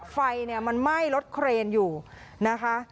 ไฟมันไหม้รถเครนอยู่นะคะ